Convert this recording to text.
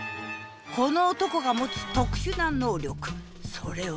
この男が持つ特殊な「能力」それは。